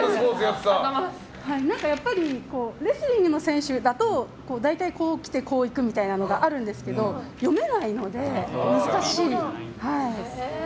レスリングの選手だと大体、こう来てこう行くみたいなのがあるんですけど読めないので難しいです。